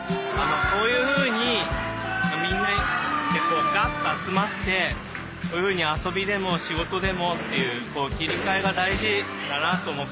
こういうふうにみんなでガッと集まってこういうふうに遊びでも仕事でもっていうこう切り替えが大事だなと思って。